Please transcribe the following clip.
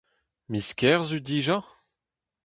Miz Kerzu dija ?